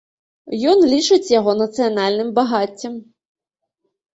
Ён лічыць яго нацыянальным багаццем.